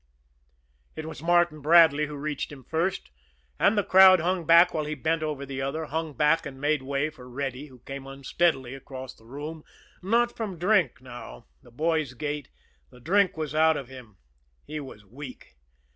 It was Martin Bradley who reached him first, and the crowd hung back while he bent over the other, hung back and made way for Reddy, who came unsteadily across the room not from drink now, the boy's gait the drink was out of him he was weak.